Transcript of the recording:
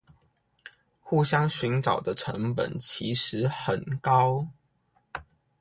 互相尋找的成本其實很高！